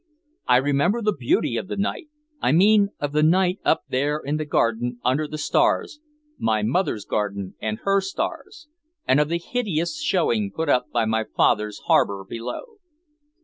I remember the beauty of the night, I mean of the night up there in the garden under the stars, my mother's garden and her stars, and of the hideous showing put up by my father's harbor below.